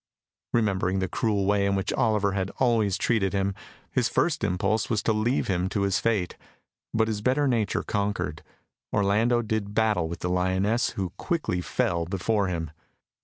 Remembering the cruel way in which Oliver had always treated him, his first impulse was to leave him to his fate, but his better nature conquered. Orlando did battle with the lioness, who quickly fell before him.